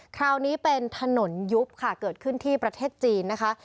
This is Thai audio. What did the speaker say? คราวนี้เป็นถนนยุบค่ะเกิดขึ้นที่ประเทศจีนนะคะ